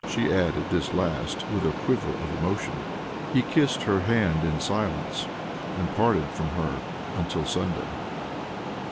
She added this last with a quiver of emotion. He 'kissed her hand in silence, and parted from her until Sunday.